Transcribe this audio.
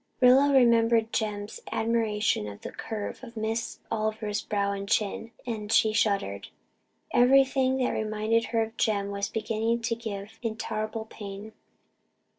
Rilla remembered Jem's admiration of the curve of Miss Oliver's brow and chin, and she shuddered. Everything that reminded her of Jem was beginning to give intolerable pain.